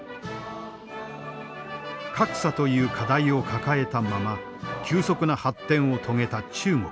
格差という課題を抱えたまま急速な発展を遂げた中国。